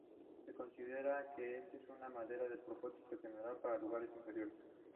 Se considera que es una madera de propósito general para lugares inferiores.